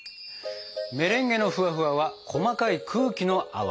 メレンゲのフワフワは細かい空気の泡。